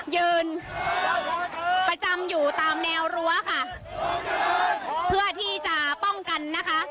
ยืนประจำอยู่ตามแนวรั้วค่ะเพื่อที่จะป้องกันนะคะ